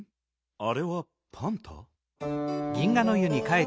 あれはパンタ？